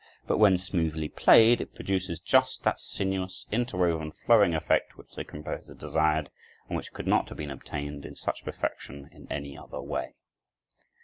But when smoothly played, it produces just that sinuous, interwoven, flowing effect which the composer desired, and which could not have been obtained, in such perfection, in any other way.